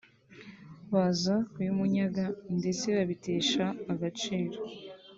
baza kubimunyaga ndetse babitesha agaciro